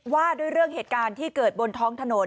ว่าด้วยเรื่องเหตุการณ์ที่เกิดบนท้องถนน